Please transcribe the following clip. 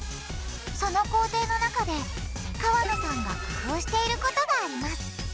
その工程の中で河野さんが工夫していることがあります。